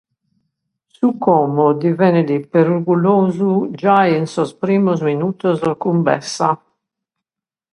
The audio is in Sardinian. Su Como divenit perigulosu giai in sos primos minutos cun Bessa.